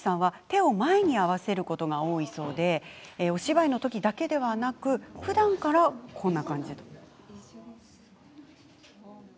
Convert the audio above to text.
手を前に合わせることが多いそうでお芝居の時だけでなくふだんも、こんな感じ。